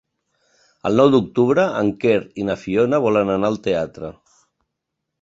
El nou d'octubre en Quer i na Fiona volen anar al teatre.